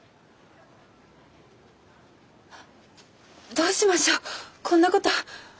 どうしましょうこんな事。